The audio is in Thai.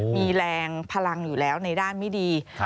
มีแรงพลังอยู่แล้วในด้านไม่ดี